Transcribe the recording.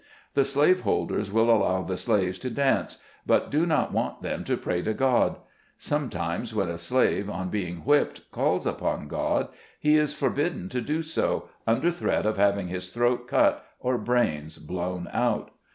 The slave holders will allow the slaves to dance, but do not want them to pray to God. Sometimes, when a slave, on being whipped, calls upon God, he is forbidden to do so, under threat of having his throat cut, or brains blown out.